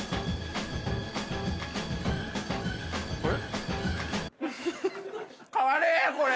・あれ？